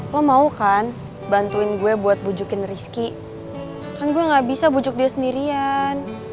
lo mau kan bantuin gue buat bujukin rizky kan gue gak bisa bujuk dia sendirian